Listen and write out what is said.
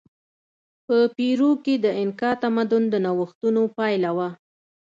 په پیرو کې د اینکا تمدن د نوښتونو پایله وه.